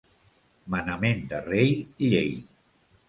Manament de rei, llei.